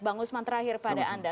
bang usman terakhir pada anda